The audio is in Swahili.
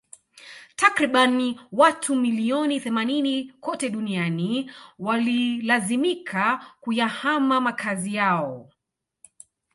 Takribani watu milioni themanini kote duniani walilazimika kuyahama makazi yao